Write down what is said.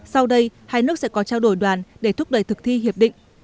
sau đây hai nước sẽ có trao đổi đoàn để thúc đẩy thực thi hiệp định